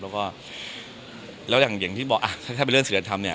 แล้วก็แล้วอย่างที่บอกอ่ะถ้าเป็นเรื่องศิลธรรมเนี่ย